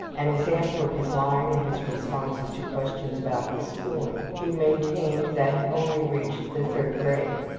An example of his lying is his responses to questions about his schooling. He maintained that he only reached the third grade.